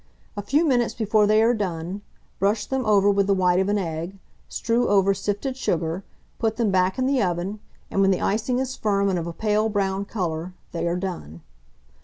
A few minutes before they are done, brush them over with the white of an egg; strew over sifted sugar, put them back in the oven; and when the icing is firm and of a pale brown colour, they are done.